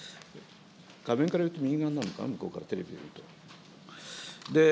画面からいうと右側になるのかな、向こうから、テレビから見ると。